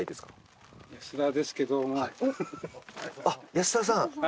安田さん。